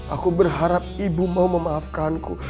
aku berharap ibu mau memaafkanku